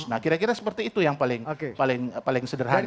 nah kira kira seperti itu yang paling sederhana